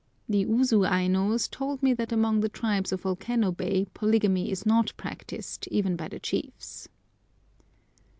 [The Usu Ainos told me that among the tribes of Volcano Bay polygamy is not practised, even by the chiefs.